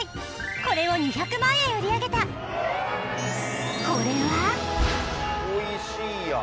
これを２００万円売り上げたこれはオイシいやん。